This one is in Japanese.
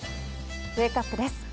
ウェークアップです。